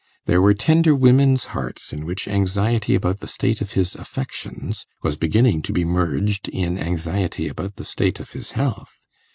There were tender women's hearts in which anxiety about the state of his affections was beginning to be merged in anxiety about the state of his health.